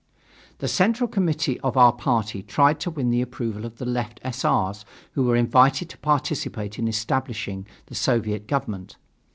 The Central Committee of our party tried to win the approval of the Left S. R.'s, who were invited to participate in establishing the Soviet government.